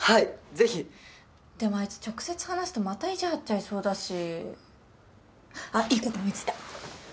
是非でもあいつ直接話すとまた意地張っちゃいそうだしあっいいこと思いついた